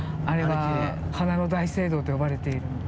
あれが「花の大聖堂」と呼ばれている。